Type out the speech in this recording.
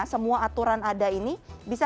semua aturan ada ini bisa